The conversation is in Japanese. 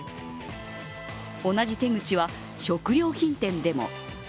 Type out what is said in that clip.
同じ手口は食料品店でも。